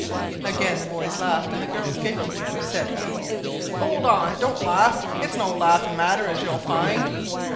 Again the boys laughed, and the girls giggled. Said he "Hold on, don't laugh; it's no laughing matter, as you'll find."